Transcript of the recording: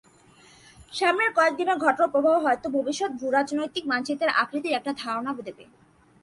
সামনের কয়েক দিনের ঘটনাপ্রবাহ হয়তো ভবিষ্যৎ ভূরাজনৈতিক মানচিত্রের আকৃতির একটা ধারণা দেবে।